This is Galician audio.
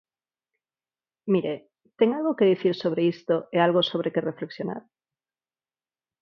Mire, ¿ten algo que dicir sobre isto e algo sobre que reflexionar?